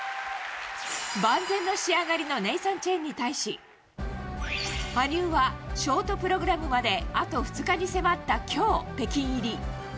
万全の仕上がりのネイサン・チェンに対し羽生はショートプログラムまであと２日に迫った今日、北京入り。